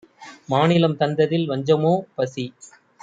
மாநிலம் தந்ததில் வஞ்சமோ? - பசி